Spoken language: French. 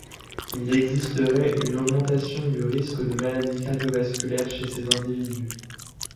Il existerait une augmentation du risque de maladie cardio-vasculaire chez ces individus.